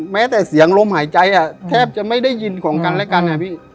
แม้แต่เสียงลมหายใจแทบจะไม่ได้ยินของกันและกันนะพี่